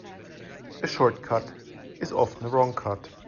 A short cut is often a wrong cut.